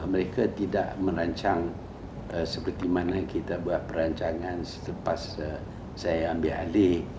mereka tidak merancang seperti mana kita buat perancangan sepas saya ambil alih